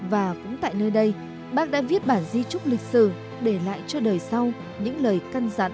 và cũng tại nơi đây bác đã viết bản di trúc lịch sử để lại cho đời sau những lời căn dặn tâm huyết của mình